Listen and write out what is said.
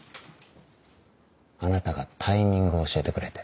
あなたがタイミングを教えてくれて。